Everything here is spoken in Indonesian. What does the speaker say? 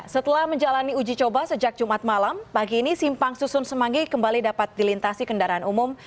setelah menjalani uji coba sejak jumat malam pagi ini simpang susun semanggi kembali dapat dilintasi kendaraan umum